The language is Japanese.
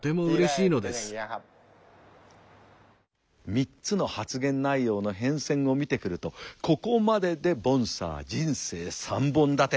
３つの発言内容の変遷を見てくるとここまででボンサー人生３本立て。